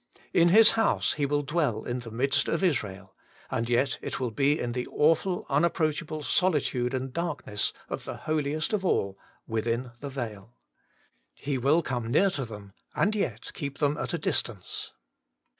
In His house He will dwell in the midst of Israel, and yet it will be in the awful un approachable solitude and darkness of the holiest of all within the veil. He will come near to them, and yet keep them at a distance.